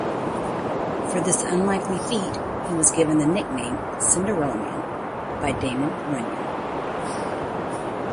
For this unlikely feat he was given the nickname "Cinderella Man" by Damon Runyon.